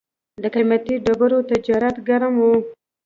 د قیمتي ډبرو تجارت ګرم و